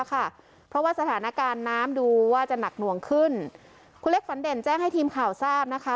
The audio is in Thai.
เพราะว่าสถานการณ์น้ำดูว่าจะหนักหน่วงขึ้นคุณเล็กฝันเด่นแจ้งให้ทีมข่าวทราบนะคะ